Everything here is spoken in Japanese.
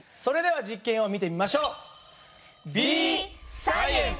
それでは実験を見てみましょう。